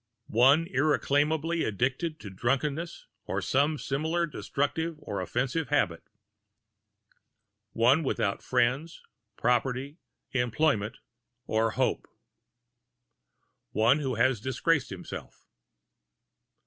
One irreclaimably addicted to drunkenness or some similarly destructive or offensive habit. One without friends, property, employment or hope. One who has disgraced himself.